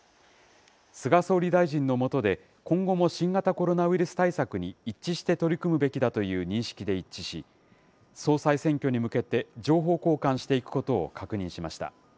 菅総理大臣の下で、今後も新型コロナウイルス対策に一致して取り組むべきだという認識で一致し、総裁選挙に向けて情報交換していくことを確認しました。